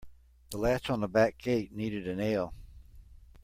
The latch on the back gate needed a nail.